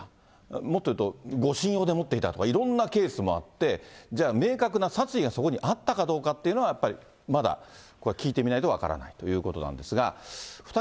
もっと言うと護身用で持っていった、いろんなケースもあって、じゃあ、明確な殺意がそこにあったかというのは、やっぱりまだ、これは聞いてみないと分からないということなんですが。